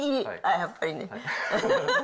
やっぱりね。